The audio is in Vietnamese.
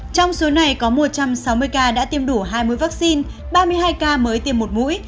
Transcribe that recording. trong số này có một trăm sáu mươi ca đã tiêm đủ hai mươi vaccine ba mươi hai ca mới tiêm một mũi